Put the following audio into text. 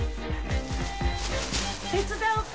手伝おうか？